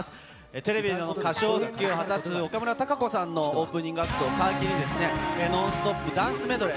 テレビでの歌唱復帰を果たす岡村孝子さんのオープニングアクトを皮切りに、ノンストップダンスメドレー。